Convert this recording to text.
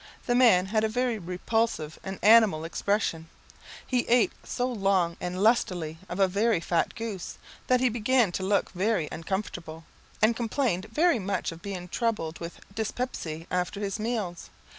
The man had a very repulsive and animal expression; he ate so long and lustily of a very fat goose, that he began to look very uncomfortable, and complained very much of being troubled with dyspepsy after his meals.